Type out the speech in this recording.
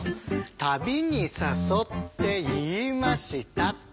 「たびにさそっていいました」